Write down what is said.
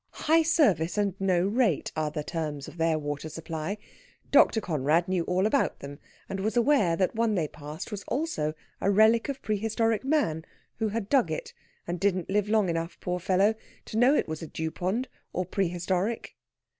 High service and no rate are the terms of their water supply. Dr. Conrad knew all about them, and was aware that one they passed was also a relic of prehistoric man, who had dug it, and didn't live long enough, poor fellow! to know it was a dewpond, or prehistoric.